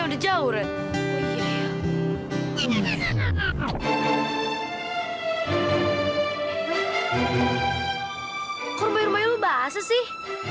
woi kok rumah rumahnya lu basah sih